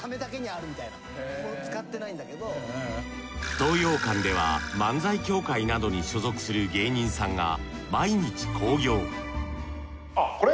東洋館では漫才協会などに所属する芸人さんが毎日興行あっこれ？